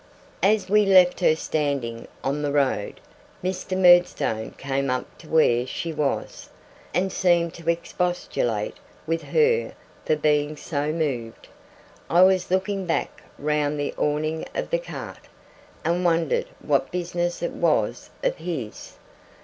As we left her standing in the road, Mr. Murdstone came up to where she was, and seemed to expostulate with her for being so moved. I was looking back round the awning of the cart, and wondered what business it was of his.